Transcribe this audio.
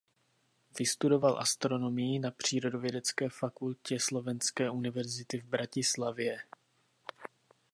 Vystudoval astronomii na Přírodovědecké fakultě Slovenské univerzity v Bratislavě.